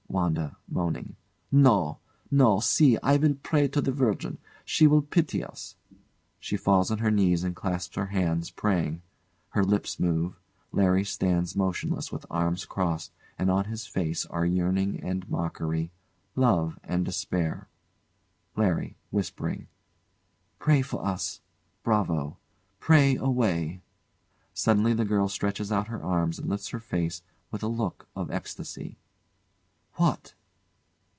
WANDA. [Moaning] No, no! See! I will pray to the Virgin. She will pity us! She falls on her knees and clasps her hands, praying. Her lips move. LARRY stands motionless, with arms crossed, and on his face are yearning and mockery, love and despair. LARRY. [Whispering] Pray for us! Bravo! Pray away! [Suddenly the girl stretches out her arms and lifts her face with a look of ecstasy.] What?